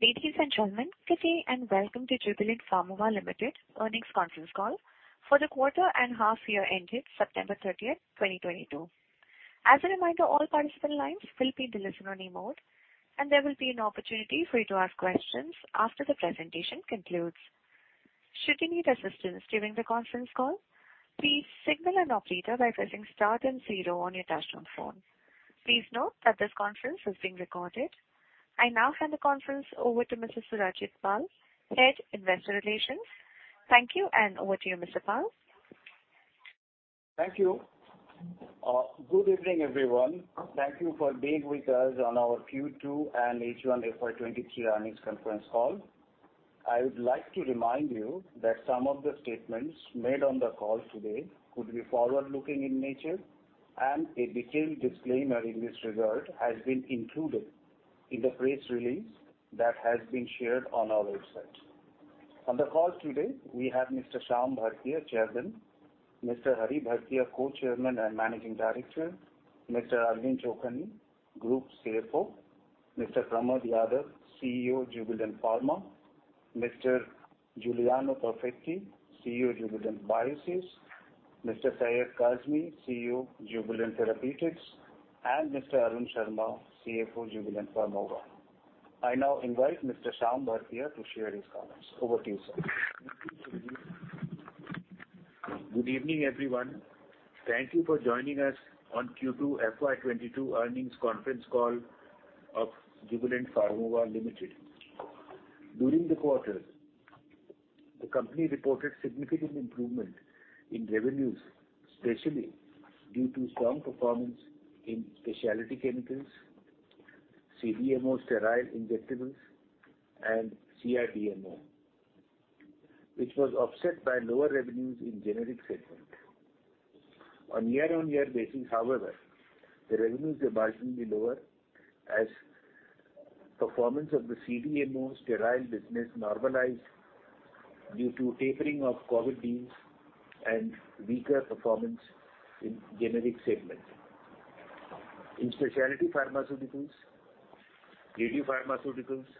Ladies and gentlemen, good day and welcome to Jubilant Pharmova Limited earnings conference call for the quarter and half year ended September 30, 2022. As a reminder, all participant lines will be in the listen-only mode, and there will be an opportunity for you to ask questions after the presentation concludes. Should you need assistance during the conference call, please signal an operator by pressing star then zero on your touchtone phone. Please note that this conference is being recorded. I now hand the conference over to Mr. Surajit Pal, Head, Investor Relations. Thank you, and over to you, Mr. Pal. Thank you. Good evening, everyone. Thank you for being with us on our Q2 and H1 FY 2023 earnings conference call. I would like to remind you that some of the statements made on the call today could be forward-looking in nature, and a detailed disclaimer in this regard has been included in the press release that has been shared on our website. On the call today we have Mr. Shyam Bhartia, Chairman. Mr. Hari Bhartia, Co-chairman and Managing Director. Mr. Arvind Chokhany, Group CFO. Mr. Pramod Yadav, CEO, Jubilant Pharma. Mr. Giuliano Perfetti, CEO, Jubilant Biosys. Mr. Syed Kazmi, CEO, Jubilant Therapeutics. Mr. Arun Sharma, CFO, Jubilant Pharmova. I now invite Mr. Shyam Bhartia to share his comments. Over to you, sir. Good evening, everyone. Thank you for joining us on Q2 FY 2022 earnings conference call of Jubilant Pharmova Limited. During the quarter, the company reported significant improvement in revenues, especially due to strong performance in specialty chemicals, CDMO sterile injectables, and CRDMO, which was offset by lower revenues in generic segment. On year-on-year basis, however, the revenues were marginally lower as performance of the CDMO sterile business normalized due to tapering of COVID deals and weaker performance in generic segment. In specialty pharmaceuticals, radiopharmaceuticals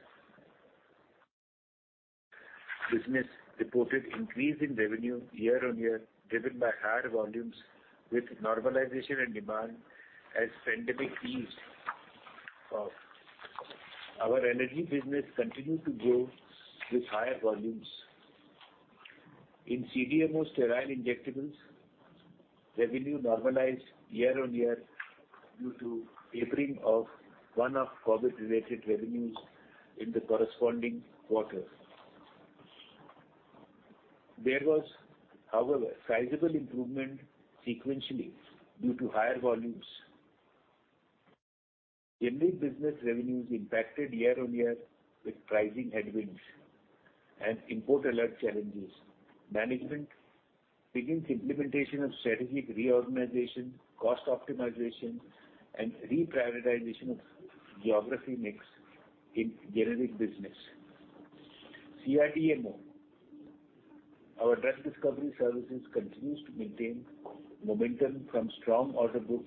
business reported increase in revenue year-on-year, driven by higher volumes with normalization and demand as pandemic eased off. Our energy business continued to grow with higher volumes. In CDMO sterile injectables, revenue normalized year-on-year due to tapering of one-off COVID-related revenues in the corresponding quarter. There was, however, sizable improvement sequentially due to higher volumes. Generic business revenues impacted year-on-year with pricing headwinds and import alert challenges. Management begins implementation of strategic reorganization, cost optimization, and reprioritization of geography mix in generic business. CRDMO, our drug discovery services continues to maintain momentum from strong order book,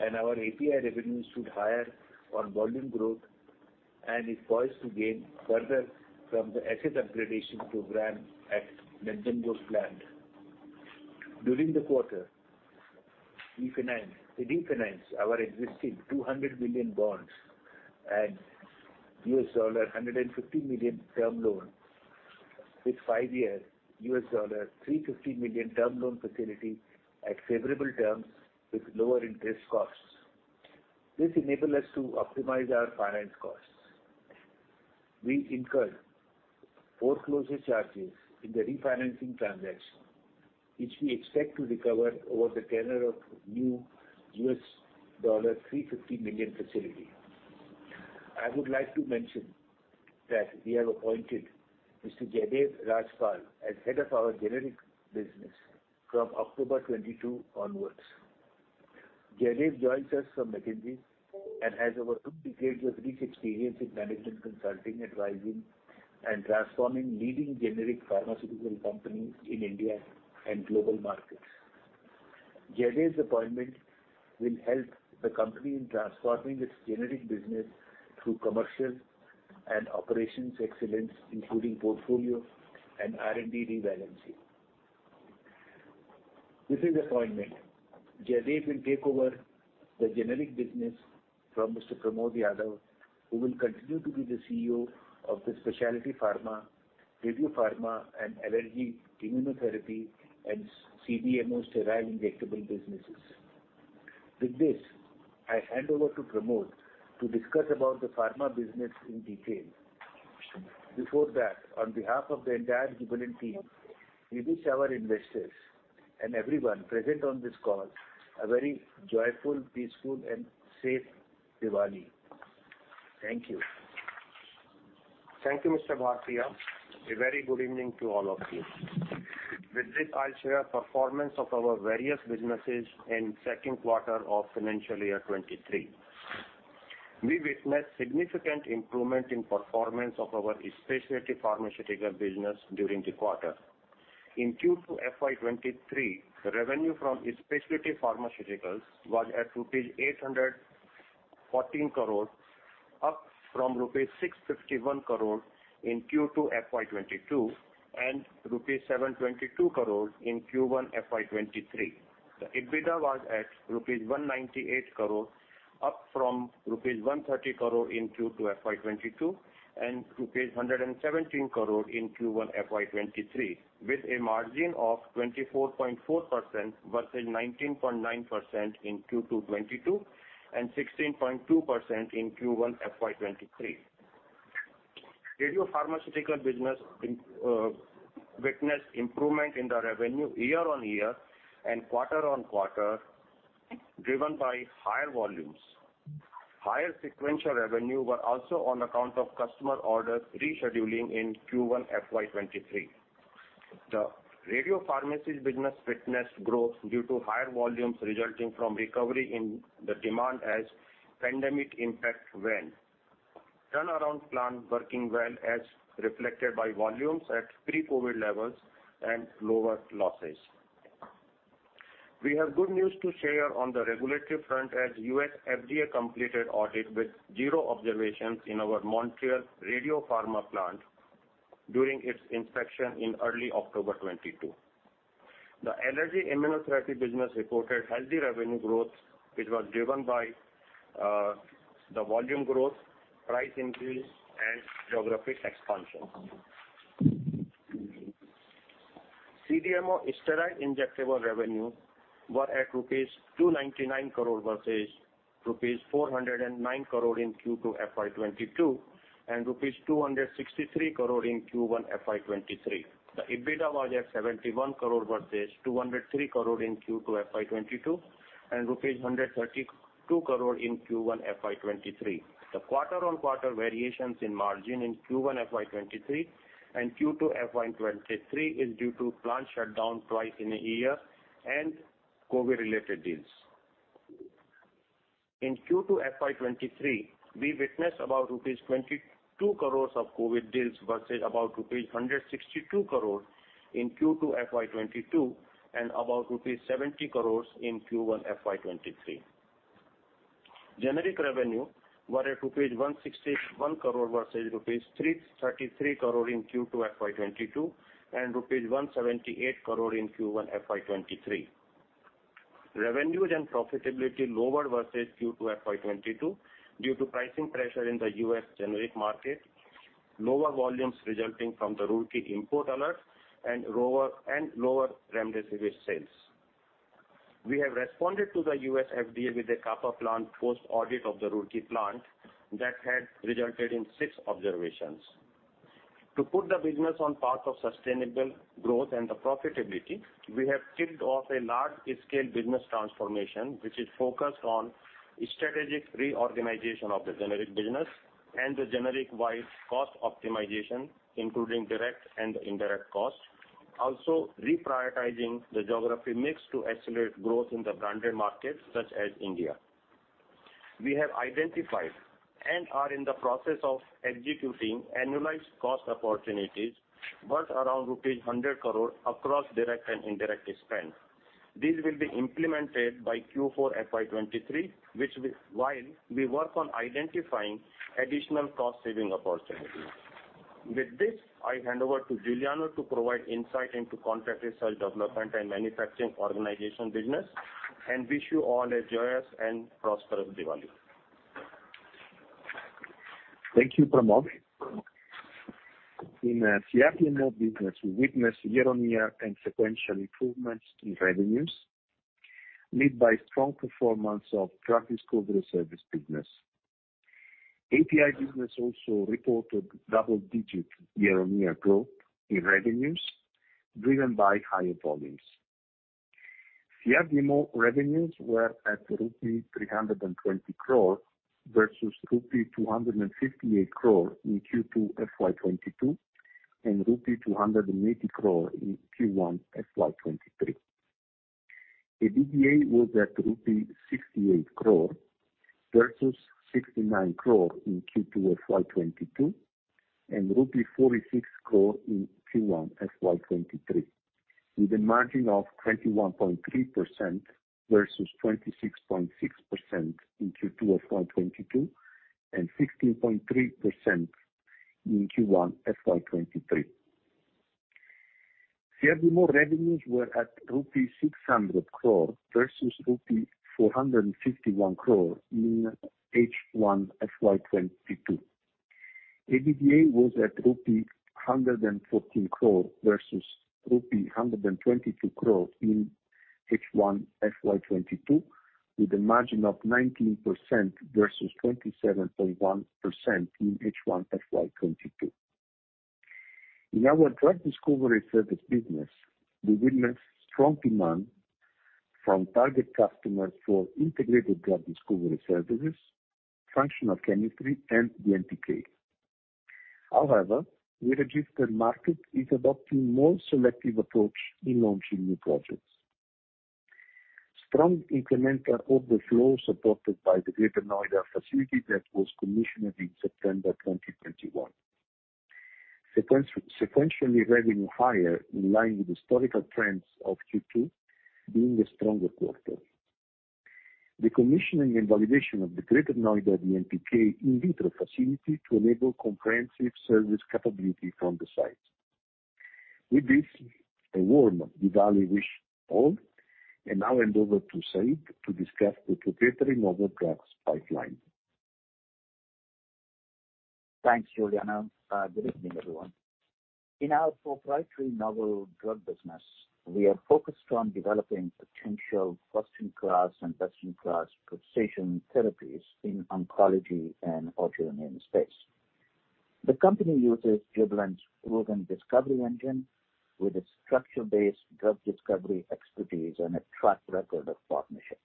and our API revenues stood higher on volume growth and is poised to gain further from the asset upgradation program at Nanjangud plant. During the quarter, we refinance our existing 200 million bonds and $150 million term loan with five-year $350 million term loan facility at favorable terms with lower interest costs. This enables us to optimize our finance costs. We incurred foreclosure charges in the refinancing transaction, which we expect to recover over the tenure of new $350 million facility. I would like to mention that we have appointed Mr.Jaidev Rajpal as head of our generic business from October 2022 onwards. Jaidev joins us from McKinsey and has over two decades of rich experience in management consulting, advising, and transforming leading generic pharmaceutical companies in India and global markets. Jaidev's appointment will help the company in transforming its generic business through commercial and operations excellence, including portfolio and R&D relevance. With his appointment, Jaidev will take over the generic business from Mr. Pramod Yadav, who will continue to be the CEO of the specialty pharma, radiopharma, and allergy immunotherapy and CDMO sterile injectable businesses. With this, I hand over to Pramod to discuss about the pharma business in detail. Before that, on behalf of the entire Jubilant team, we wish our investors and everyone present on this call a very joyful, peaceful, and safe Diwali. Thank you. Thank you, Mr. Bhartia. A very good evening to all of you. With this, I'll share performance of our various businesses in second quarter of financial year 2023. We witnessed significant improvement in performance of our specialty pharmaceutical business during the quarter. In Q2 FY23, the revenue from the specialty pharmaceuticals was at rupees 814 crore, up from rupees 651 crore in Q2 FY22, and rupees 722 crore in Q1 FY23. The EBITDA was at rupees 198 crore, up from rupees 130 crore in Q2 FY22, and rupees 117 crore in Q1 FY23, with a margin of 24.4% versus 19.9% in Q2 FY22, and 16.2% in Q1 FY23. Radiopharmaceutical business witnessed improvement in the revenue year-on-year and quarter-on-quarter, driven by higher volumes. Higher sequential revenue were also on account of customer orders rescheduling in Q1 FY23. The radiopharmaceuticals business witnessed growth due to higher volumes resulting from recovery in the demand as pandemic impact waned. Turnaround plan working well as reflected by volumes at pre-COVID levels and lower losses. We have good news to share on the regulatory front as U.S. FDA completed audit with zero observations in our Montreal radiopharma plant during its inspection in early October 2022. The allergy immunotherapy business reported healthy revenue growth, which was driven by the volume growth, price increase and geographic expansion. CDMO sterile injectable revenue were at rupees 299 crore versus rupees 409 crore in Q2 FY 2022, and rupees 263 crore in Q1 FY 2023. The EBITDA was at 71 crore versus 203 crore in Q2 FY 2022, and rupees 132 crore in Q1 FY 2023. The quarter-on-quarter variations in margin in Q1 FY 2023 and Q2 FY 2023 is due to plant shutdown twice in a year and COVID-related deals. In Q2 FY23, we witnessed about rupees 22 crore of COVID deals versus about rupees 162 crore in Q2 FY22, and about rupees 70 crore in Q1 FY23. Generic revenue were at rupees 161 crore versus rupees 333 crore in Q2 FY22, and rupees 178 crore in Q1 FY23. Revenues and profitability lower versus Q2 FY22 due to pricing pressure in the U.S. generic market, lower volumes resulting from the Roorkee import alert and lower remdesivir sales. We have responded to the U.S. FDA with a CAPA plan post-audit of the Roorkee plant that had resulted in six observations. To put the business on path of sustainable growth and the profitability, we have kicked off a large-scale business transformation, which is focused on strategic reorganization of the generic business and the generic-wide cost optimization, including direct and indirect costs. Also reprioritizing the geography mix to accelerate growth in the branded markets such as India. We have identified and are in the process of executing annualized cost opportunities worth around rupees 100 crore across direct and indirect spend. These will be implemented by Q4 FY 2023, which, while we work on identifying additional cost saving opportunities. With this, I hand over to Giuliano to provide insight into contract research development and manufacturing organization business, and wish you all a joyous and prosperous Diwali. Thank you, Pramod. In CRDMO business, we witnessed year-on-year and sequential improvements in revenues, led by strong performance of drug discovery service business. API business also reported double-digit year-on-year growth in revenues driven by higher volumes. CRDMO revenues were at INR 320 crore versus 258 crore in Q2 FY 2022, and 280 crore in Q1 FY 2023. EBITDA was at INR 68 crore versus rupee 69 crore in Q2 FY 2022, and INR 46 crore in Q1 FY 2023, with a margin of 21.3% versus 26.6% in Q2 FY 2022, and 16.3% in Q1 FY 2023. CRDMO revenues were at rupee 600 crore versus INR 451 crore in H1 FY 2022. EBITDA was at rupee 114 crore versus rupee 122 crore in H1 FY 2022, with a margin of 19% versus 27.1% in H1 FY 2022. In our drug discovery service business, we witnessed strong demand from target customers for integrated drug discovery services, functional chemistry and DMPK. However, the market is adopting more selective approach in launching new projects. Strong incremental overflow supported by the Greater Noida facility that was commissioned in September 2021. Sequentially revenue higher in line with historical trends of Q2 being the stronger quarter. The commissioning and validation of the Greater Noida DMPK in vitro facility to enable comprehensive service capability from the site. With this, a warm Diwali wish to all. Now I hand over to Syed to discuss the proprietary novel drugs pipeline. Thanks, Giuliano. Good evening, everyone. In our proprietary novel drug business, we are focused on developing potential first-in-class and best-in-class precision therapies in oncology and autoimmune space. The company uses Jubilant's proven discovery engine with a structure-based drug discovery expertise and a track record of partnerships.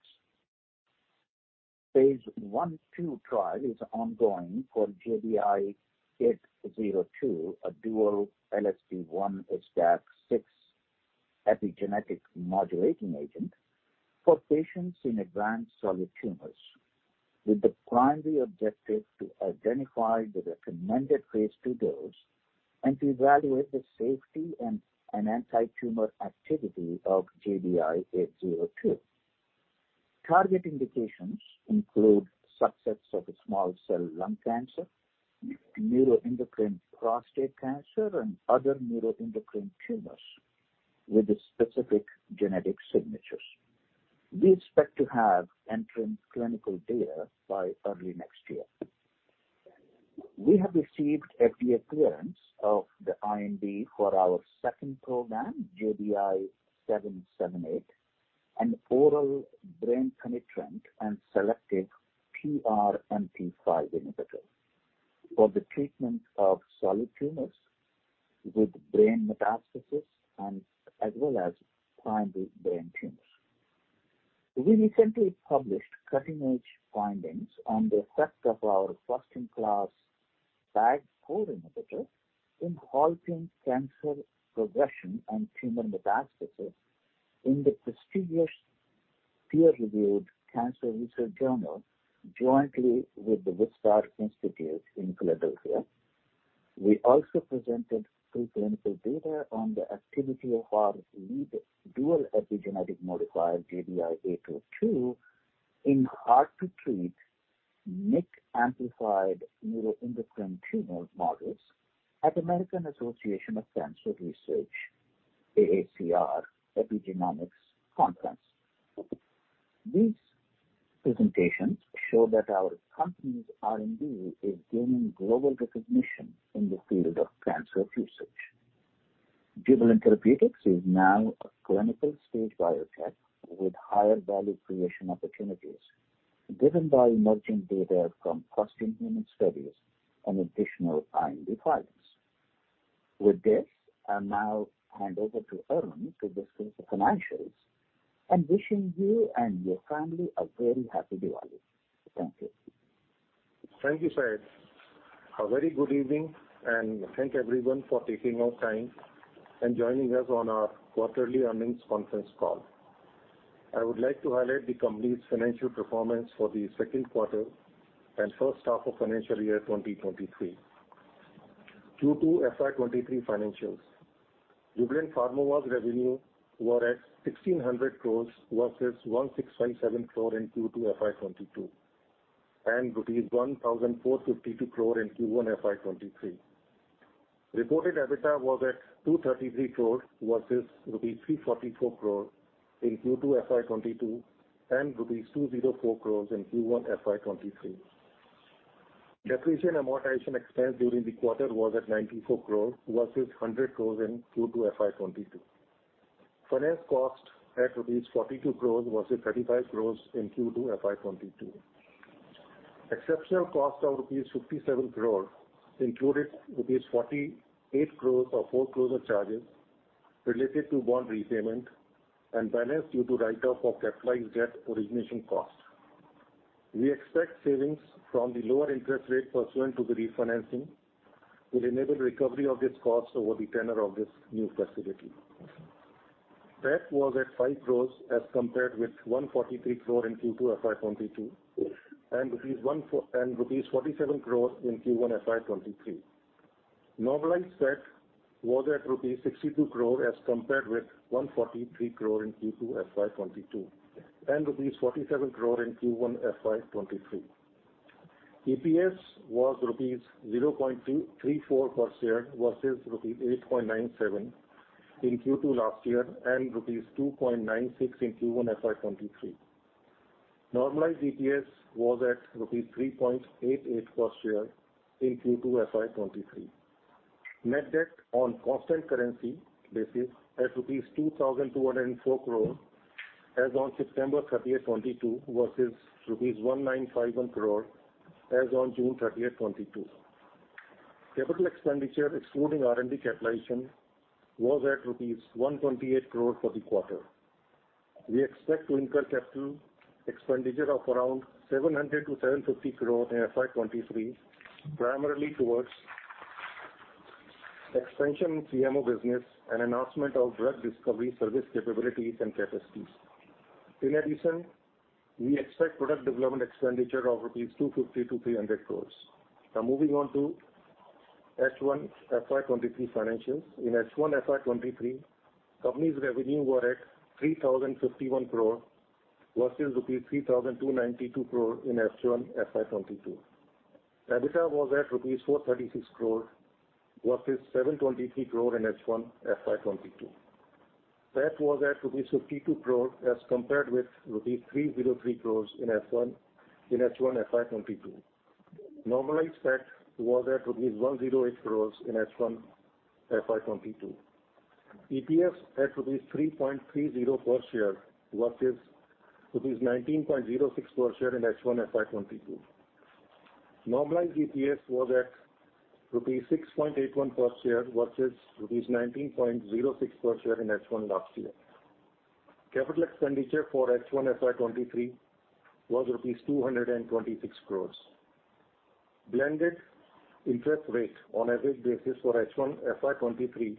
Phase I/II trial is ongoing for JBI-802, a dual LSD1 HDAC6 epigenetic modulating agent for patients in advanced solid tumors, with the primary objective to identify the recommended phase II dose and to evaluate the safety and antitumor activity of JBI-802. Target indications include subsets of small cell lung cancer, neuroendocrine prostate cancer, and other neuroendocrine tumors with specific genetic signatures. We expect to have initial clinical data by early next year. We have received FDA clearance of the IND for our second program, JBI-778, an oral brain penetrant and selective PRMT5 inhibitor for the treatment of solid tumors with brain metastasis and as well as primary brain tumors. We recently published cutting-edge findings on the effect of our first-in-class GSNOR inhibitor in halting cancer progression and tumor metastasis in the prestigious peer-reviewed Cancer Research journal, jointly with the Wistar Institute in Philadelphia. We also presented preclinical data on the activity of our lead dual epigenetic modifier, JBI-802, in hard-to-treat MYC-amplified neuroendocrine tumor models at American Association for Cancer Research, AACR, Epigenomics Conference. These presentations show that our company's R&D is gaining global recognition in the field of cancer research. Jubilant Therapeutics is now a clinical-stage biotech with higher value creation opportunities, driven by emerging data from first-in-human studies and additional R&D files. With this, I now hand over to Arun to discuss the financials and wishing you and your family a very happy Diwali. Thank you. Thank you, Syed. A very good evening, and thank everyone for taking out time and joining us on our quarterly earnings conference call. I would like to highlight the company's financial performance for the second quarter and first half of financial year 2023. Q2 FY 2023 financials. Jubilant Pharma's revenue were at 1,600 crore versus 1,657 crore in Q2 FY 2022, and 1,452 crore in Q1 FY 2023. Reported EBITDA was at 233 crore versus rupees 344 crore in Q2 FY 2022 and rupees 204 crore in Q1 FY 2023. Depreciation amortization expense during the quarter was at 94 crore versus 100 crore in Q2 FY 2022. Finance cost at rupees 42 crore versus 35 crore in Q2 FY 2022. Exceptional cost of rupees 57 crore included rupees 48 crore of foreclosure charges related to bond repayment and balance due to write-off of capitalized debt origination cost. We expect savings from the lower interest rate pursuant to the refinancing will enable recovery of this cost over the tenure of this new facility. Debt was at 5 crore as compared with 143 crore in Q2 FY22 and 147 crore rupees in Q1 FY23. Normalized debt was at rupees 62 crore as compared with 143 crore in Q2 FY22 and rupees 47 crore in Q1 FY23. EPS was rupees 0.34 per share versus rupees 8.97 in Q2 last year and rupees 2.96 in Q1 FY23. Normalized EPS was at rupees 3.88 per share in Q2 FY23. Net debt on constant currency basis at rupees 2,204 crore as on September 30, 2022 versus rupees 1,951 crore as on June 30, 2022. Capital expenditure excluding R&D capitalization was at rupees 128 crore for the quarter. We expect to incur capital expenditure of around 700-750 crore in FY23, primarily towards expansion CMO business and announcement of drug discovery service capabilities and capacities. In addition, we expect product development expenditure of 250-300 crores rupees. Now moving on to H1 FY23 financials. In H1 FY23, company's revenue were at 3,051 crore versus rupees 3,292 crore in H1 FY22. EBITDA was at rupees 436 crore versus 723 crore in H1 FY22. PAT was at rupees 52 crore as compared with rupees 303 crore in H1 FY 2022. Normalized PAT was at rupees 108 crore in H1 FY 2022. EPS at rupees 3.30 per share versus rupees 19.06 per share in H1 FY 2022. Normalized EPS was at rupees 6.81 per share versus rupees 19.06 per share in H1 last year. Capital expenditure for H1 FY 2023 was INR 226 crore. Blended interest rate on average basis for H1 FY 2023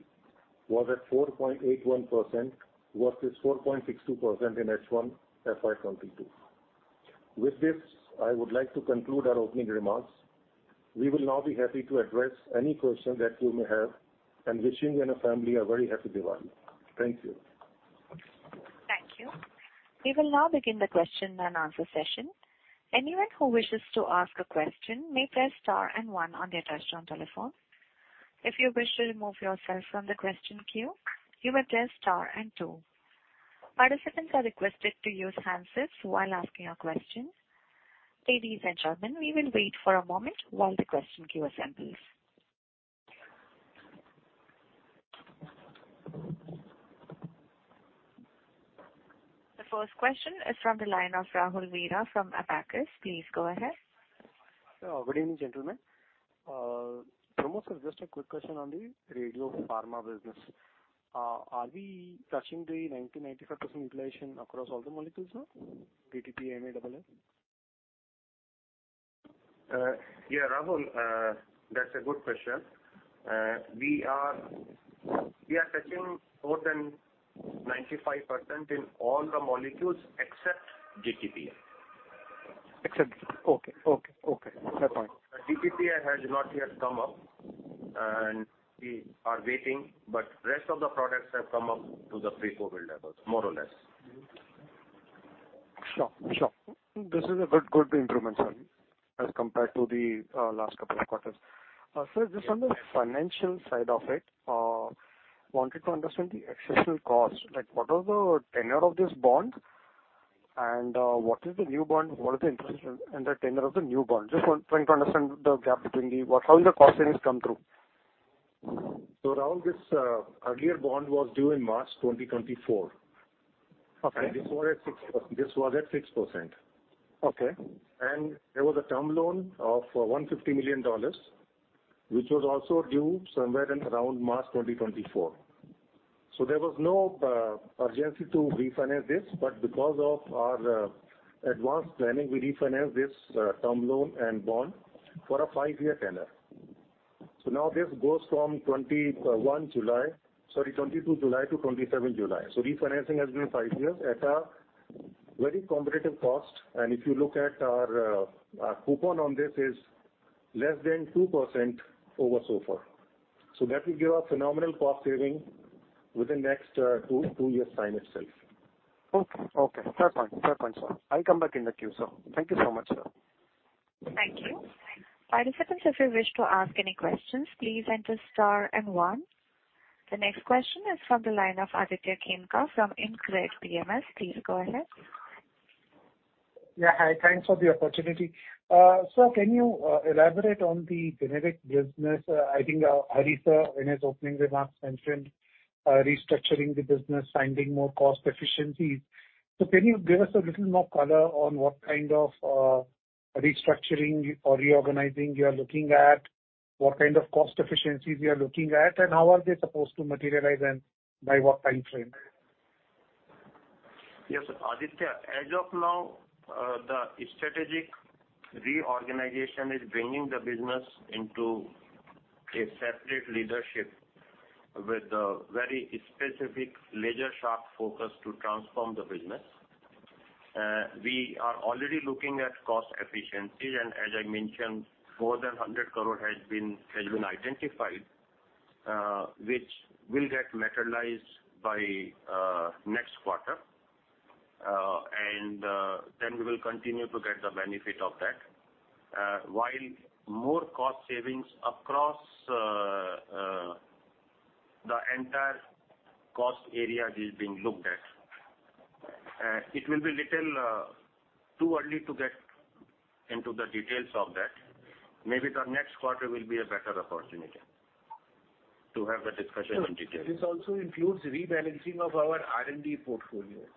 was at 4.81% versus 4.62% in H1 FY 2022. With this, I would like to conclude our opening remarks. We will now be happy to address any question that you may have and wishing you and your family a very happy Diwali. Thank you. Thank you. We will now begin the question and answer session. Anyone who wishes to ask a question may press star and one on their touchtone telephone. If you wish to remove yourself from the question queue, you may press star and two. Participants are requested to use handsets while asking your questions. Ladies and gentlemen, we will wait for a moment while the question queue assembles. The first question is from the line of Rahul Veera from Abakkus. Please go ahead. Sir, good evening, gentlemen. Pramod, sir, just a quick question on the Radiopharma business. Are we touching the 90%-95% utilization across all the molecules now, DaTscan, MAA? Yeah, Rahul, that's a good question. We are touching more than 95% in all the molecules except DaTscan. Okay. Fair point. DaTscan has not yet come up and we are waiting, but rest of the products have come up to the pre-COVID levels, more or less. Sure. This is a good improvement, sir, as compared to the last couple of quarters. Sir, just on the financial side of it, wanted to understand the additional cost. Like, what was the tenure of this bond and what is the new bond, what is the interest and the tenure of the new bond? Just trying to understand the gap between the how the cost savings come through. Rahul, this earlier bond was due in March 2024. Okay. This was at 6%, this was at 6%. Okay. There was a term loan of $150 million, which was also due somewhere in around March 2024. There was no urgency to refinance this, but because of our advanced planning, we refinance this term loan and bond for a five-year tenure. Now this goes from 22 July to 27 July. Refinancing has been 5 years at a very competitive cost. If you look at our coupon on this is less than 2% over SOFR. That will give a phenomenal cost saving within next two years time itself. Okay. Fair point, sir. I'll come back in the queue, sir. Thank you so much, sir. Thank you. Participants, if you wish to ask any questions, please enter star and one. The next question is from the line of Aditya Khemka from InCred PMS. Please go ahead. Yeah, hi. Thanks for the opportunity. Sir, can you elaborate on the generic business? I think Hari Bhartia, in his opening remarks mentioned restructuring the business, finding more cost efficiencies. Can you give us a little more color on what kind of restructuring or reorganizing you are looking at? What kind of cost efficiencies you are looking at, and how are they supposed to materialize, and by what timeframe? Yes, Aditya. As of now, the strategic reorganization is bringing the business into a separate leadership with a very specific laser-sharp focus to transform the business. We are already looking at cost efficiency, and as I mentioned, more than 100 crore has been identified, which will get materialized by next quarter. Then we will continue to get the benefit of that. While more cost savings across the entire cost area is being looked at, it will be little too early to get into the details of that. Maybe the next quarter will be a better opportunity to have a discussion in detail. Sure. This also includes rebalancing of our R&D portfolios.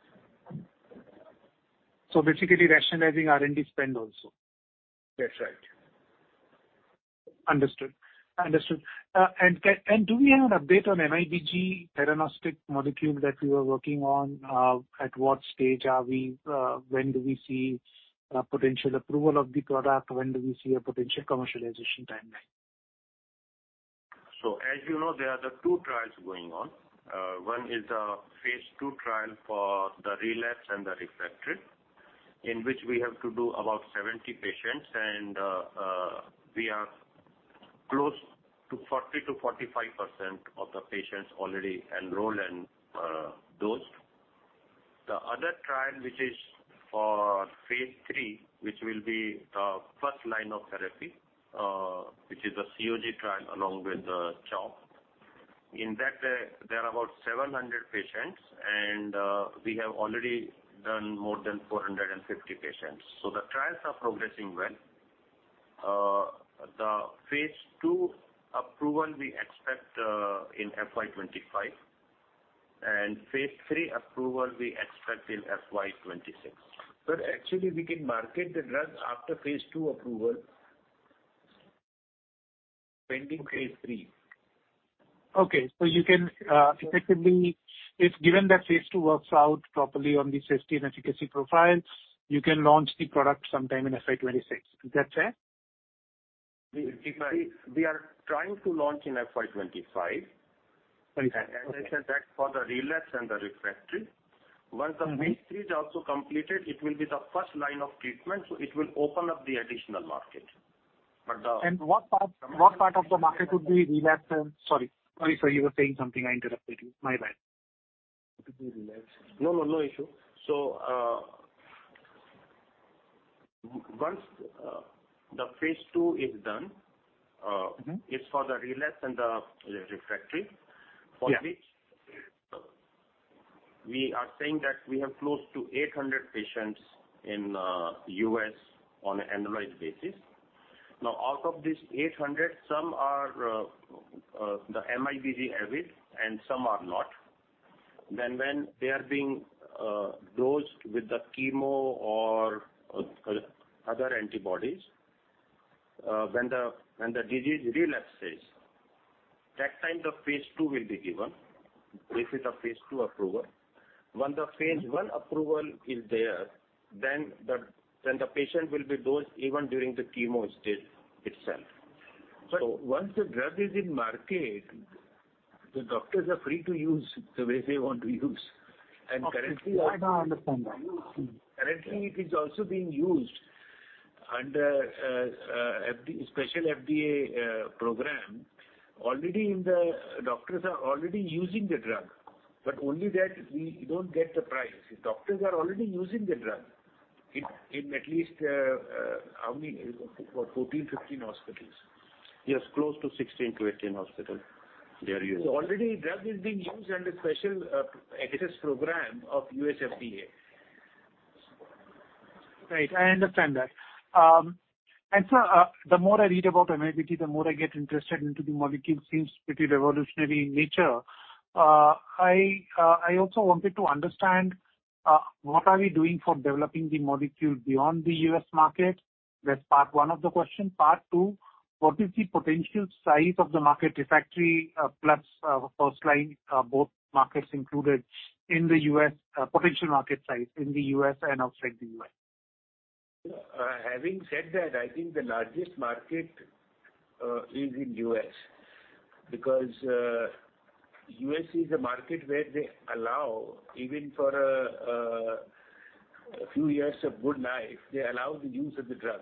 Basically rationalizing R&D spend also. That's right. Understood. Do we have an update on MIBG diagnostic molecule that we were working on? At what stage are we? When do we see potential approval of the product? When do we see a potential commercialization timeline? As you know, there are the two trials going on. One is the phase II trial for the relapse and the refractory, in which we have to do about 70 patients and we are close to 40%-45% of the patients already enrolled and dosed. The other trial, which is for phase III, which will be the first line of therapy, which is a COG trial along with the CHOP. In that, there are about 700 patients and we have already done more than 450 patients. The trials are progressing well. The phase two approval we expect in FY25, and phase three approval we expect in FY26. Actually we can market the drug after phase two approval pending phase three. If given that phase II works out properly on the safety and efficacy profiles, you can launch the product sometime in FY26. Is that fair? We are trying to launch in FY 25. Okay. That's for the relapse and the refractory. Once the phase III is also completed, it will be the first line of treatment, so it will open up the additional market. Sorry, sir, you were saying something. I interrupted you. My bad. No, no. No issue. Once the phase two is done. It's for the relapsed and refractory. Yeah. For which we are saying that we have close to 800 patients in the U.S. on an annualized basis. Now, out of these 800, some are the MIBG avid and some are not. When they are being dosed with the chemo or other antibodies, when the disease relapses, that time the phase II will be given if it's a phase II approval. When the phase 1 approval is there, then the patient will be dosed even during the chemo stage itself. Once the drug is in market, the doctors are free to use the way they want to use. Currently Okay. I now understand that. Currently, it is also being used under a special FDA program. Doctors are already using the drug, but only that we don't get the price. The doctors are already using the drug in at least about 14-15 hospitals. Yes, close to 16-18 hospitals they are using. Already drug is being used under special access program of U.S. FDA. Right. I understand that. Sir, the more I read about MIBG, the more I get interested into the molecule. Seems pretty revolutionary in nature. I also wanted to understand what are we doing for developing the molecule beyond the U.S. market? That's part one of the question. Part two, what is the potential size of the market, refractory plus first-line, both markets included in the U.S., potential market size in the U.S. and outside the U.S.? Having said that, I think the largest market is in U.S. because U.S. is a market where they allow even for a few years of good life, they allow the use of the drug.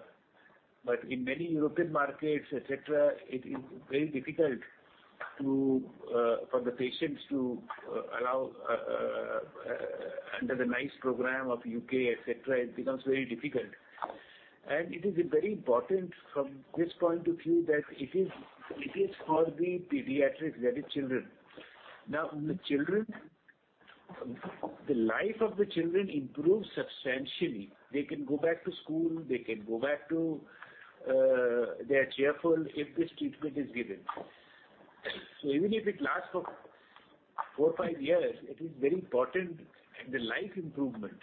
In many European markets, et cetera, it is very difficult for the patients to avail under the NICE program of U.K., et cetera, it becomes very difficult. It is very important from this point of view that it is for the pediatric, that is children. Now, in the children, the life of the children improves substantially. They can go back to school. They are cheerful if this treatment is given. Even if it lasts for four, five years, it is very important in the life improvement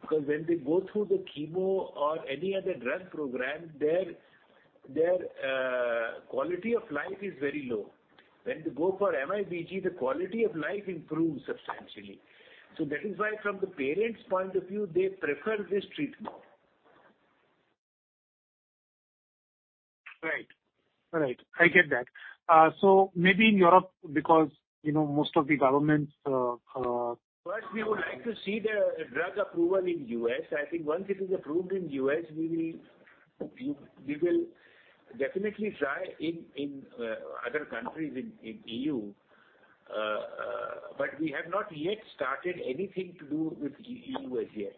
because when they go through the chemo or any other drug program, their quality of life is very low. When they go for MIBG, the quality of life improves substantially. That is why from the parents' point of view, they prefer this treatment. Right. I get that. Maybe in Europe, because, you know, most of the governments. First we would like to see the drug approval in U.S. I think once it is approved in U.S., we will definitely try in other countries in E.U. We have not yet started anything to do with E.U. as yet.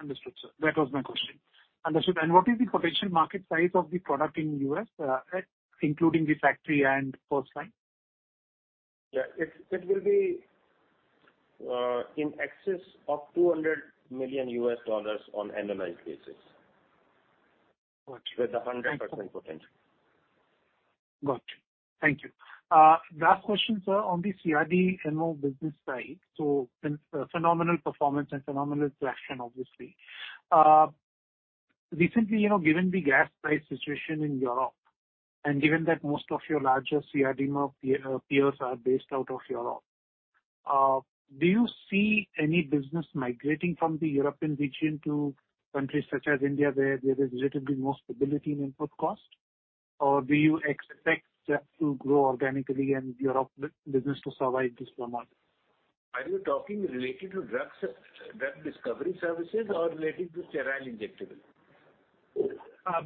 Understood, sir. That was my question. Understood. What is the potential market size of the product in U.S., including the therapy and first-line? Yeah. It will be in excess of $200 million on annualized basis. Got you. With a 100% potential. Got you. Thank you. Last question, sir. On the CRDMO business side, so been a phenomenal performance and phenomenal traction obviously. Recently, you know, given the gas price situation in Europe, and given that most of your largest CRDMO peers are based out of Europe, do you see any business migrating from the European region to countries such as India where there is relatively more stability in input cost? Or do you expect that to grow organically and Europe business to survive this turmoil? Are you talking related to drugs, drug discovery services or related to sterile injectable?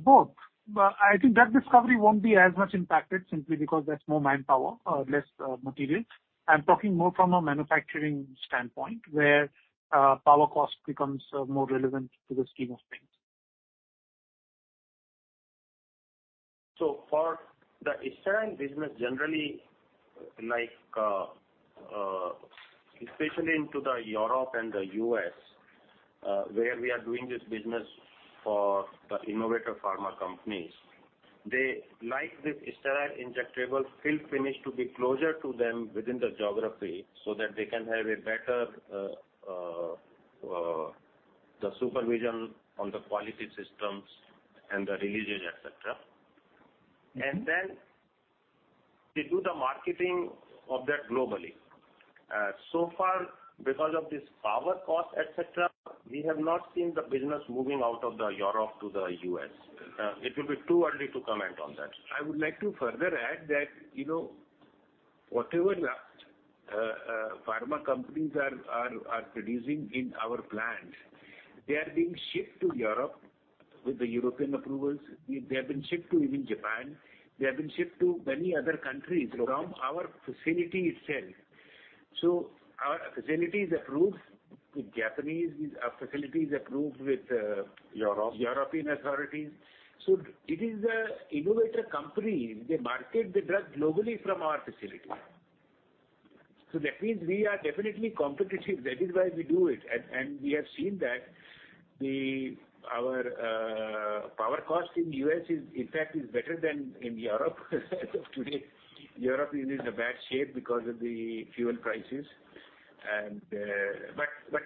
Both. I think drug discovery won't be as much impacted simply because that's more manpower, less materials. I'm talking more from a manufacturing standpoint where power cost becomes more relevant to the scheme of things. For the external business generally, like, especially into Europe and the US, where we are doing this business for the innovative pharma companies, they like this sterile injectable fill finish to be closer to them within the geography so that they can have a better, the supervision on the quality systems and the releases, et cetera. They do the marketing of that globally. So far, because of this power cost, et cetera, we have not seen the business moving out of Europe to the U.S. It will be too early to comment on that. I would like to further add that, you know, whatever pharma companies are producing in our plants, they are being shipped to Europe with the European approvals. They have been shipped to even Japan. They have been shipped to many other countries from our facility itself. Our facility is approved with Japanese. Europe European authorities. It is the innovator companies, they market the drug globally from our facility. That means we are definitely competitive. That is why we do it. We have seen that our power cost in U.S. is, in fact, better than in Europe. As of today, Europe is in a bad shape because of the fuel prices.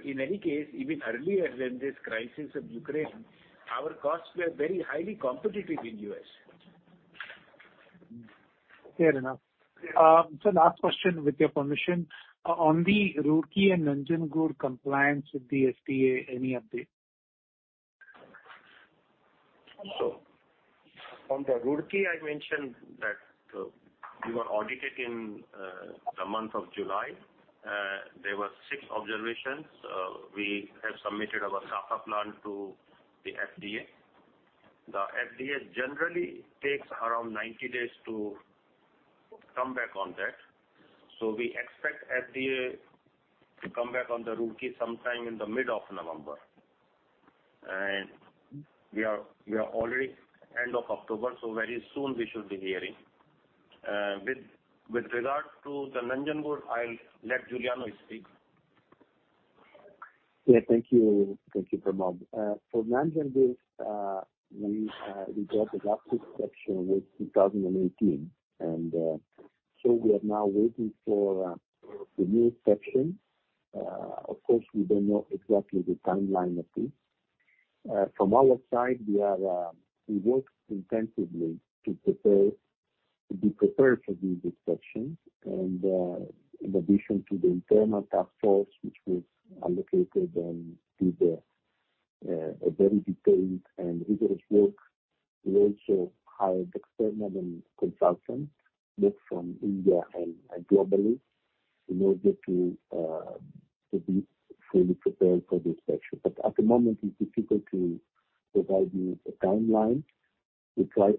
In any case, even earlier than this crisis of Ukraine, our costs were very highly competitive in U.S. Fair enough. Yeah. Last question, with your permission. On the Roorkee and Nanjangud compliance with the FDA, any update? On the Roorkee, I mentioned that we were audited in the month of July. There were six observations. We have submitted our startup plan to the FDA. The FDA generally takes around 90 days to come back on that. We expect FDA to come back on the Roorkee sometime in the mid of November. We are already end of October, so very soon we should be hearing. With regards to the Nanjangud, I'll let Giuliano speak. Yeah. Thank you. Thank you, Pramod. For Nanjangud, we got the last inspection was 2018. We are now waiting for the new inspection. Of course, we don't know exactly the timeline of this. From our side, we worked intensively to prepare, to be prepared for these inspections. In addition to the internal task force, which was allocated and did a very detailed and rigorous work, we also hired external consultant, both from India and globally, in order to be fully prepared for this session. At the moment it's difficult to provide you the timeline. We try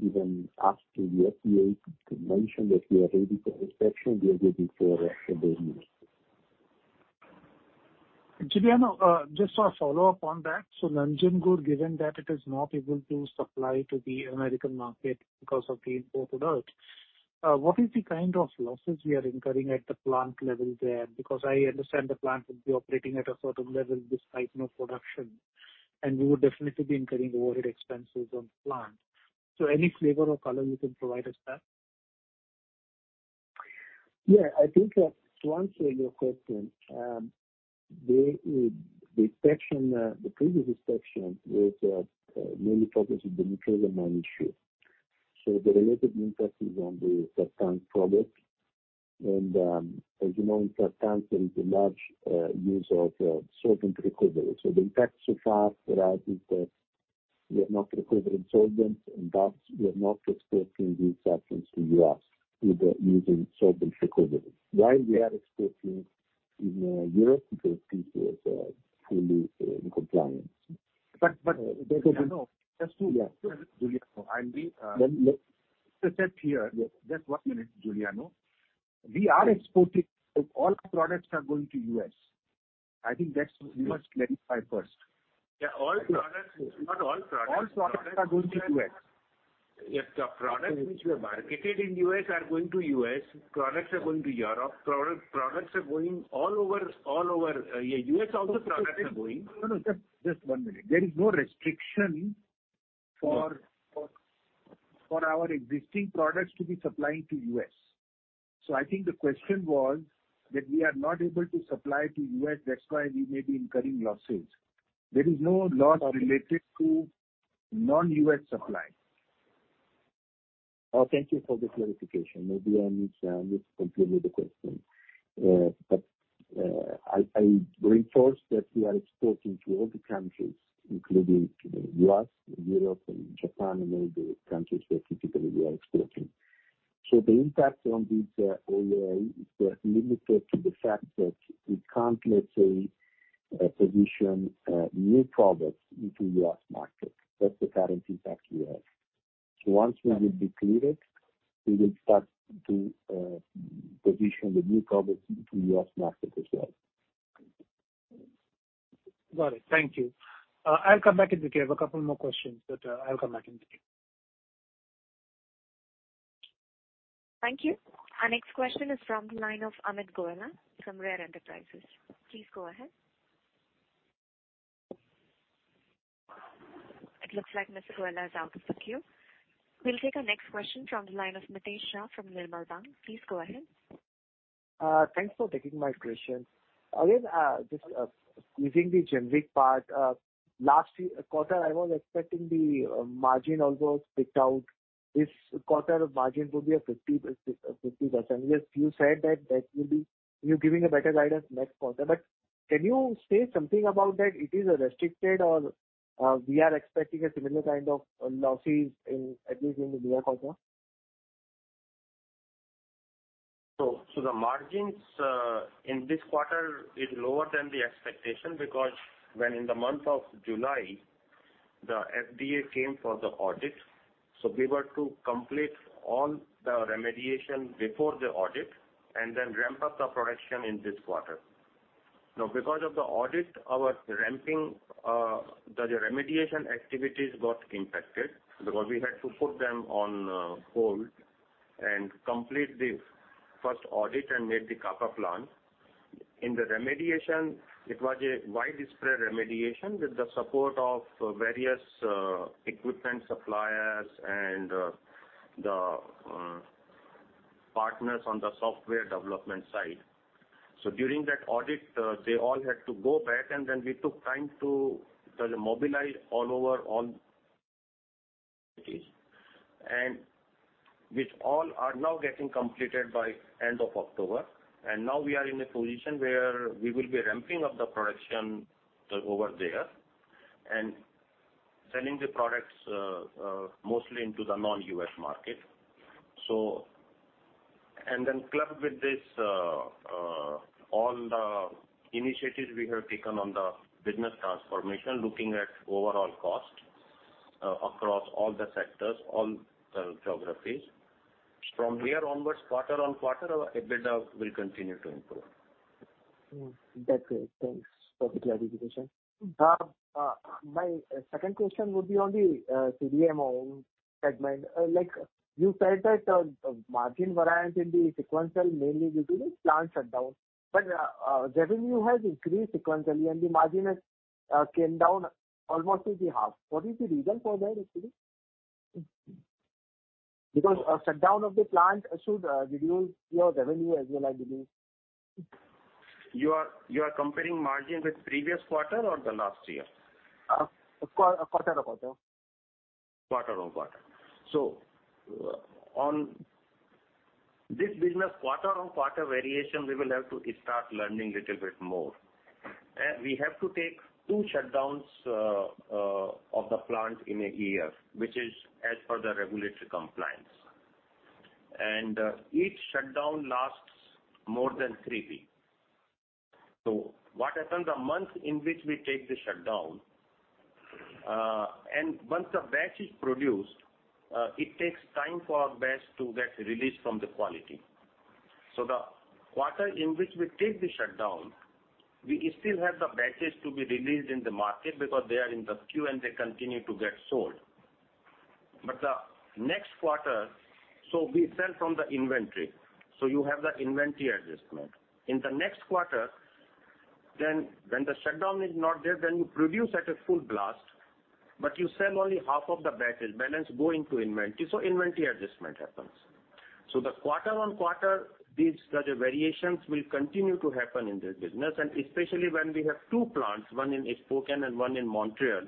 to even ask the FDA to mention that we are ready for inspection. We are waiting for their news. Giuliano, just a follow-up on that. Nanjangud, given that it is not able to supply to the American market because of the import alert, what is the kind of losses we are incurring at the plant level there? Because I understand the plant would be operating at a sort of level despite no production, and we would definitely be incurring overhead expenses on the plant. Any flavor or color you can provide us there? Yeah. I think to answer your question, the previous inspection was mainly focused on the nitrosamine issue. The related impact is on the Sartan product. As you know, in Sartan there is a large use of solvent recovery. The impact so far, I think, we are not recovering solvents and thus we are not exporting these substances to the U.S. by using solvent recovery. While we are exporting to Europe because this was fully in compliance. But, but- Because- Giuliano, just to Yeah. Giuliano, I'll be Then let- Just to set here. Yes. Just one minute, Giuliano. We are exporting. All products are going to U.S. I think that's. We must clarify first. Yeah, not all products. All products are going to U.S. If the products which were marketed in U.S. are going to U.S., products are going to Europe, products are going all over, U.S. also products are going. No. Just one minute. There is no restriction for our existing products to be supplying to U.S. I think the question was that we are not able to supply to U.S., that's why we may be incurring losses. There is no loss related to non-U.S. supply. Oh, thank you for the clarification. Maybe I need to continue the question. I reinforce that we are exporting to all the countries, including to the U.S., Europe and Japan, and all the countries where typically we are exporting. The impact on this OAI is limited to the fact that we can't, let's say, position new products into U.S. market. That's the current impact we have. Once we will be cleared, we will start to position the new products into U.S. market as well. Got it. Thank you. I'll come back in the queue. I have a couple more questions, but, I'll come back in the queue. Thank you. Our next question is from the line of Amit Goela from Rare Enterprises. Please go ahead. It looks like Mr. Goela is out of the queue. We'll take our next question from the line of Nitesh Shah from Nirmal Bang. Please go ahead. Thanks for taking my question. Again, just using the generics part, last quarter, I was expecting the margin also flipped out. This quarter margin could be a 50-50%. You said that will be. You're giving a better guidance next quarter. Can you say something about that it is restricted or we are expecting a similar kind of losses in, at least in the next quarter? The margins in this quarter is lower than the expectation, because when in the month of July, the FDA came for the audit, we were to complete all the remediation before the audit and then ramp up the production in this quarter. Now, because of the audit, our ramping the remediation activities got impacted because we had to put them on hold and complete the first audit and make the CAPA plan. In the remediation, it was a widespread remediation with the support of various equipment suppliers and the partners on the software development side. During that audit, they all had to go back, and then we took time to mobilize all over all these. Which all are now getting completed by end of October. Now we are in a position where we will be ramping up the production over there and sending the products, mostly into the non-US market. Clubbed with this, all the initiatives we have taken on the business transformation, looking at overall cost, across all the sectors, all the geographies. From here onwards, quarter-on-quarter, our EBITDA will continue to improve. That's it. Thanks for the clarification. My second question would be on the CDMO segment. Like you said that margin variance in the sequential, mainly due to the plant shutdown. Revenue has increased sequentially and the margin has came down almost to the half. What is the reason for that actually? Because a shutdown of the plant should reduce your revenue as well as the- You are comparing margin with previous quarter or the last year? Quarter-over-quarter. Quarter-on-quarter. On this business, quarter-on-quarter variation, we will have to start learning little bit more. We have to take two shutdowns of the plant in a year, which is as per the regulatory compliance. Each shutdown lasts more than three weeks. What happens a month in which we take the shutdown, and once the batch is produced, it takes time for our batch to get released from the quality. The quarter in which we take the shutdown, we still have the batches to be released in the market because they are in the queue and they continue to get sold. The next quarter, we sell from the inventory, so you have the inventory adjustment. In the next quarter, then, when the shutdown is not there, then you produce at a full blast, but you sell only half of the batch. Balance go into inventory, so inventory adjustment happens. The quarter-on-quarter, these, the variations will continue to happen in this business, and especially when we have two plants, one in Spokane and one in Montreal,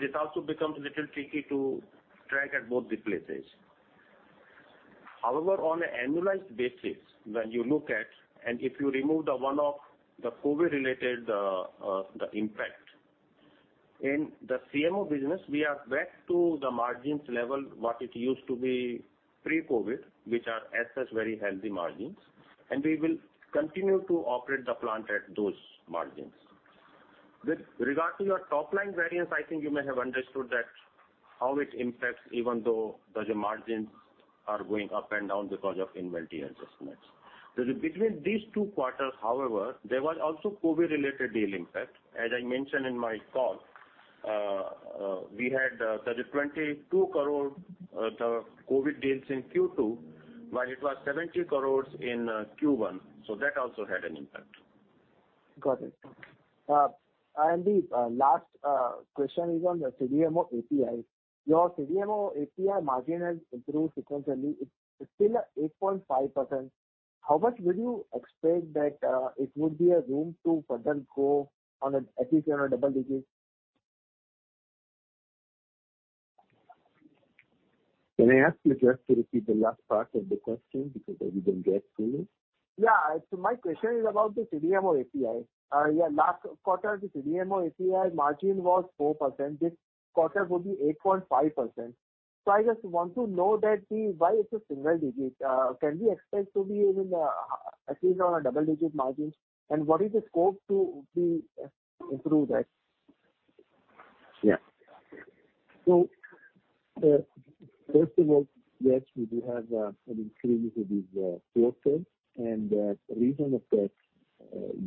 this also becomes a little tricky to track at both the places. However, on an annualized basis, when you look at and if you remove the one-off, the COVID-related, the impact, in the CMO business, we are back to the margins level, what it used to be pre-COVID, which are as such very healthy margins, and we will continue to operate the plant at those margins. With regard to your top line variance, I think you may have understood that how it impacts, even though the margins are going up and down because of inventory adjustments. Between these two quarters, however, there was also COVID-related deal impact. As I mentioned in my call, we had the 22 crore COVID deals in Q2, while it was 70 crore in Q1. That also had an impact. Got it. The last question is on the CDMO API. Your CDMO API margin has improved sequentially. It's still at 8.5%. How much would you expect that there would be room to further go on to at least double digits? Can I ask you just to repeat the last part of the question because I didn't get fully? My question is about the CDMO API. Last quarter, the CDMO API margin was 4%. This quarter it would be 8.5%. I just want to know why it's a single digit. Can we expect to be even at least on a double-digit margin? What is the scope to be improved at? Yeah. First of all, yes, we do have an increase with this quarter. The reason for that,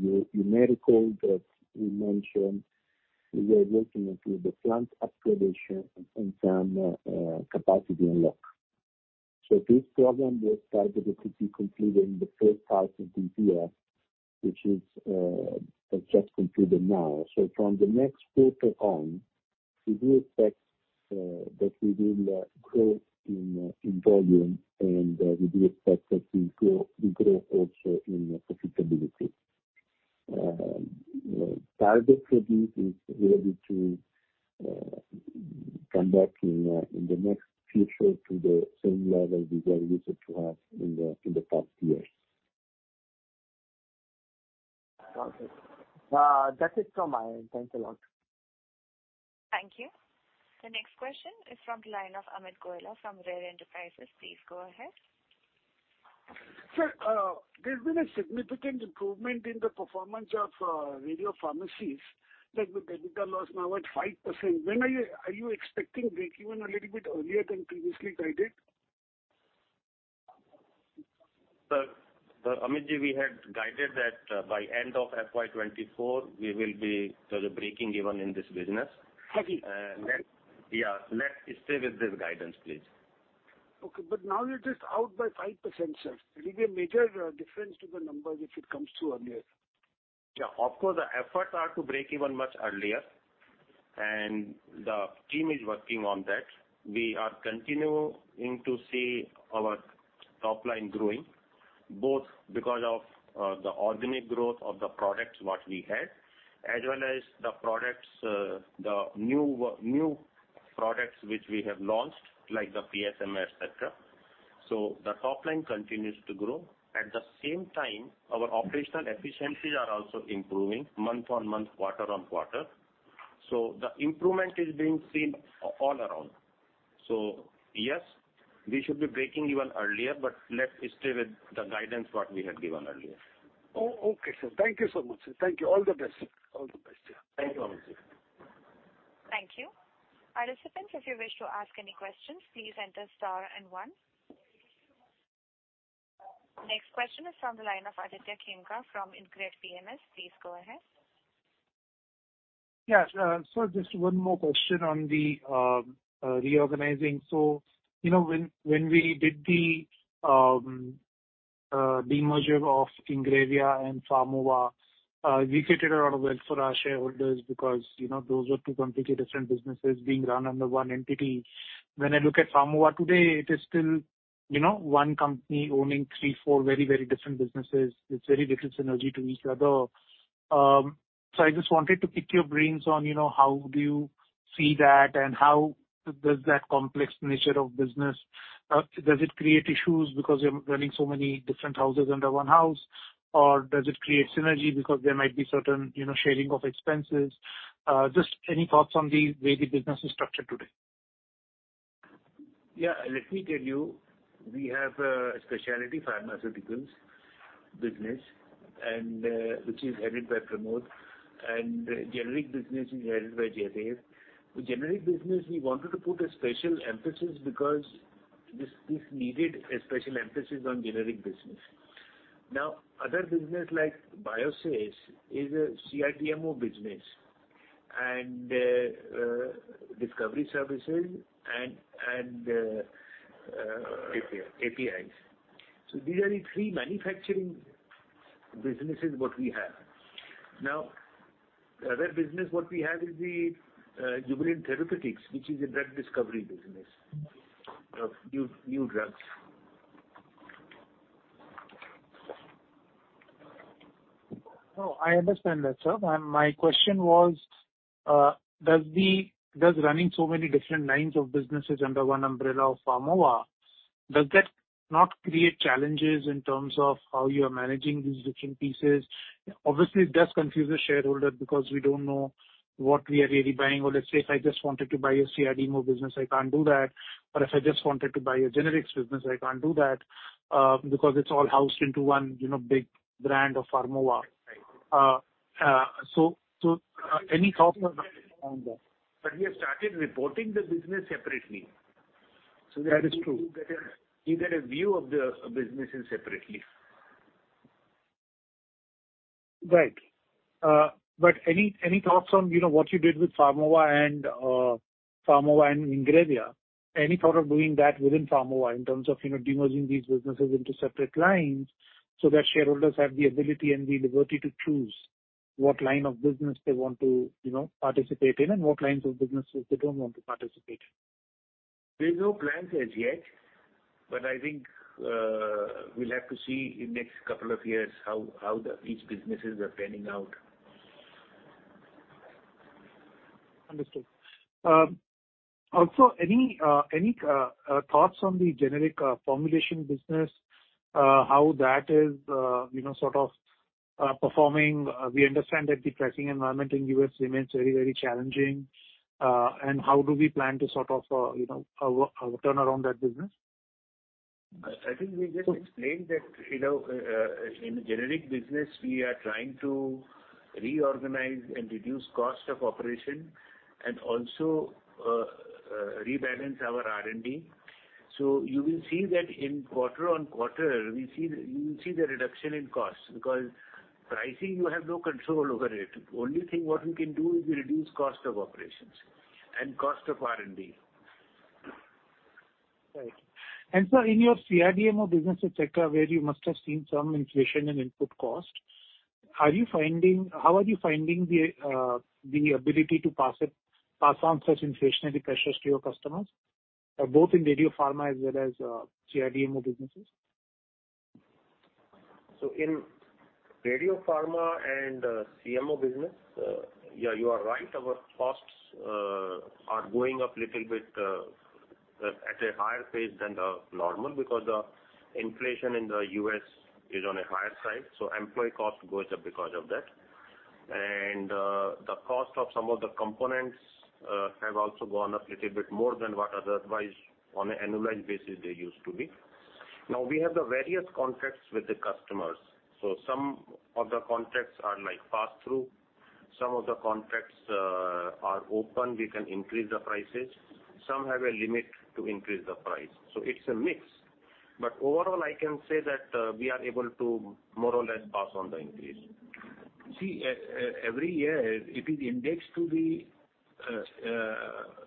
you may recall that we mentioned we are working on the plant upgradation and some capacity unlock. This program was targeted to be completed in the first half of this year, which is just concluded now. From the next quarter on, we do expect that we will grow in volume, and we do expect that we grow also in profitability. Target for this is really to come back in the near future to the same level we were used to have in the past years. Okay. That's it from my end. Thanks a lot. Thank you. The next question is from the line of Amit Goyal from Rare Enterprises. Please go ahead. Sir, there's been a significant improvement in the performance of radiopharmacies, like the debit loss now at 5%. Are you expecting break-even a little bit earlier than previously guided? Sir, Amit, we had guided that by end of FY 2024 we will be sort of breaking even in this business. Okay. Yeah. Let's stay with this guidance, please. Okay. Now it is out by 5%, sir. It will be a major difference to the numbers if it comes through earlier. Yeah. Of course, the efforts are to break even much earlier, and the team is working on that. We are continuing to see our top line growing, both because of the organic growth of the products, what we had, as well as the products, the new products which we have launched, like the PSMA, et cetera. The top line continues to grow. At the same time, our operational efficiencies are also improving month on month, quarter on quarter. The improvement is being seen all around. Yes, we should be breaking even earlier, but let's stay with the guidance what we had given earlier. Okay, sir. Thank you so much, sir. All the best. Yeah. Thank you, Amit. Thank you. Participants, if you wish to ask any questions, please enter star and one. Next question is from the line of Aditya Khemka from InCred PMS. Please go ahead. Yeah. Sir, just one more question on the reorganizing. You know, when we did the demerger of Ingrevia and Pharmova, we created a lot of wealth for our shareholders because, you know, those were two completely different businesses being run under one entity. When I look at Pharmova today, it is still, you know, one company owning three, four very, very different businesses. It's very little synergy to each other. I just wanted to pick your brains on, you know, how do you see that and how does that complex nature of business does it create issues because you're running so many different houses under one house? Or does it create synergy because there might be certain, you know, sharing of expenses? Just any thoughts on the way the business is structured today? Yeah. Let me tell you, we have a specialty pharmaceuticals business and which is headed by Pramod, and generic business is headed by Jayesh. The generic business we wanted to put a special emphasis because this needed a special emphasis on generic business. Now, other business like Biosys is a CRDMO business and discovery services and. API. APIs. These are the three manufacturing businesses what we have. Now, other business what we have is the Jubilant Therapeutics, which is a drug discovery business of new drugs. No, I understand that, sir. My question was, does the running so many different lines of businesses under one umbrella of Pharmova, does that not create challenges in terms of how you are managing these different pieces? Obviously, it does confuse the shareholder because we don't know what we are really buying. Or let's say if I just wanted to buy a CRDMO business, I can't do that. Or if I just wanted to buy a generics business, I can't do that, because it's all housed into one, you know, big brand of Pharmova. So, any thoughts on that? We have started reporting the business separately. That is true. You get a view of the businesses separately. Right. Any thoughts on, you know, what you did with Pharmova and Ingrevia? Any thought of doing that within Pharmova in terms of, you know, demerging these businesses into separate lines so that shareholders have the ability and the liberty to choose what line of business they want to, you know, participate in and what lines of businesses they don't want to participate in? There's no plans as yet, but I think we'll have to see in next couple of years how the each businesses are panning out. Understood. Also, any thoughts on the generic formulation business, how that is, you know, sort of, performing? We understand that the pricing environment in U.S. remains very, very challenging, and how do we plan to sort of, you know, turn around that business? I think we just explained that, you know, in the generic business we are trying to reorganize and reduce cost of operation and also rebalance our R&D. You will see that in quarter-on-quarter we see the reduction in costs because pricing you have no control over it. Only thing what we can do is reduce cost of operations and cost of R&D. Right. Sir, in your CRDMO business et cetera, where you must have seen some inflation in input cost, how are you finding the ability to pass on such inflationary pressures to your customers, both in Radiopharma as well as CRDMO businesses? In Radiopharma and CMO business, yeah, you are right, our costs are going up little bit at a higher pace than the normal because the inflation in the U.S. is on a higher side, so employee cost goes up because of that. The cost of some of the components have also gone up little bit more than what otherwise on a annualized basis they used to be. Now, we have the various contracts with the customers. Some of the contracts are like pass through, some of the contracts are open, we can increase the prices. Some have a limit to increase the price. It's a mix. Overall I can say that we are able to more or less pass on the increase. See, every year it is indexed to the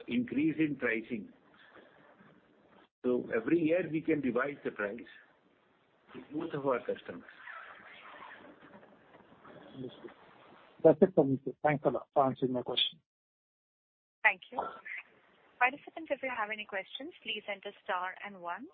increase in pricing. Every year we can revise the price with both of our customers. Understood. That's it from me, sir. Thanks a lot for answering my question. Thank you. Participants, if you have any questions, please enter star and one.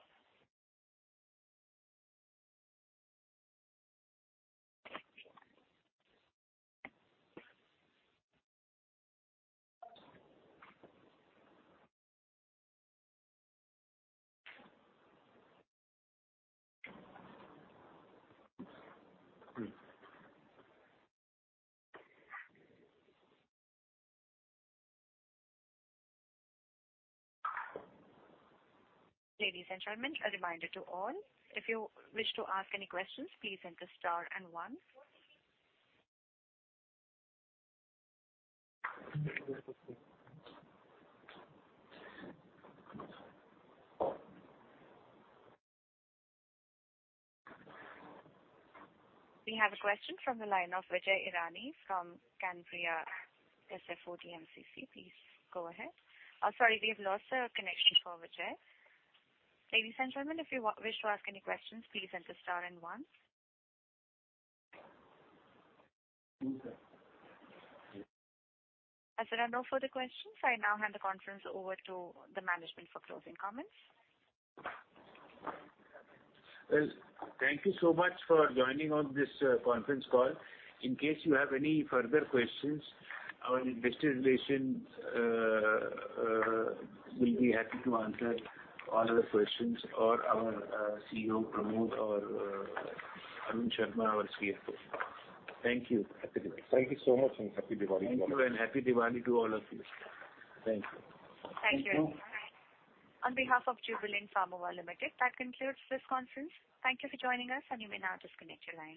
Ladies and gentlemen, a reminder to all, if you wish to ask any questions, please enter star and one. We have a question from the line of Vijay Irani from Canria SFOGMCC. Please go ahead. Sorry, we have lost the connection for Vijay. Ladies and gentlemen, if you wish to ask any questions, please enter star and one. As there are no further questions, I now hand the conference over to the management for closing comments. Well, thank you so much for joining on this conference call. In case you have any further questions, our investor relations will be happy to answer all other questions, or our CEO, Pramod, or Arun Sharma, our CFO. Thank you. Happy Diwali. Thank you so much and Happy Diwali to all of you. Thank you and Happy Diwali to all of you. Thank you. Thank you. On behalf of Jubilant Pharmova Limited, that concludes this conference. Thank you for joining us, and you may now disconnect your lines.